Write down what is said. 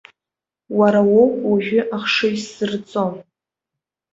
Уара уоуп уажәы ахшыҩ сзырҵо.